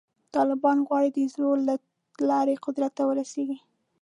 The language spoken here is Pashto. طالبان غواړي د زور له لارې قدرت ته ورسېږي.